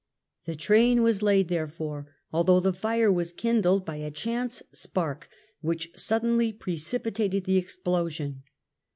The train was laid, therefore, although the fire w^as kindled by a Sicilian chauce spark which suddenly precipitated the explosion.